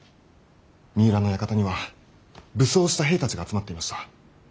三浦の館には武装した兵たちが集まっていました。